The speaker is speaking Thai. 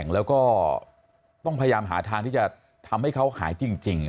แล้วก็ต้องพยายามหาทางที่จะทำให้เขาหายจริง